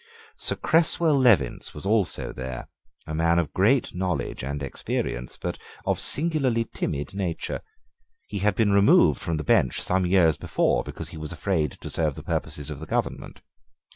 Sir Creswell Levinz was also there, a man of great knowledge and experience, but of singularly timid nature. He had been removed from the bench some years before, because he was afraid to serve the purposes of the government.